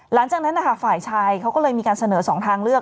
หลังจากนั้นฝ่ายชายเขาก็เลยมีการเสนอ๒ทางเลือก